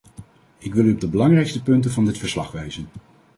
Ik wil u op de belangrijkste punten van dit verslag wijzen.